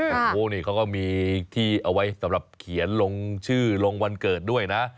โอ้โหนี่เขาก็มีที่เอาไว้สำหรับเขียนลงชื่อลงวันเกิดด้วยนะ